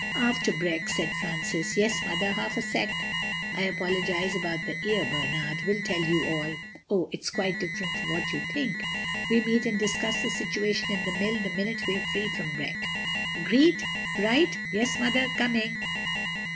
"After brek," said Francis. "Yes, Mother, half a sec! I apologize about the ear, Bernard. We will tell you all. Oh, it's quite different from what you think. We meet and discuss the situation in the mill the minute we're free from brek. Agreed? Right! Yes, Mother, coming!"